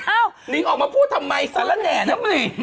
อ้าวนิ้งออกมาพูดทำไมสละแหน่นะคุณนิ้ง